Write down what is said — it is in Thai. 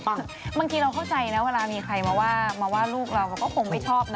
บางทีเราเข้าใจนะเวลามีใครมาว่าลูกเราก็คงไม่ชอบนะ